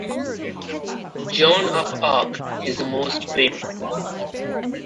Joan of Arc is the most famous.